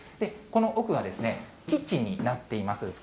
この奥がキッチンになっています。